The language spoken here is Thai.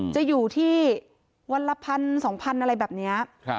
จะอยู่ที่วันละ๑๐๐๐๒๐๐๐อะไรแบบนี้